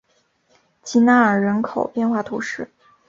吉纳尔人口变化图示